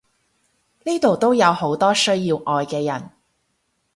呢度都有好多需要愛嘅人！